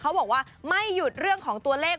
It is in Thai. เขาบอกว่าไม่หยุดเรื่องของตัวเลข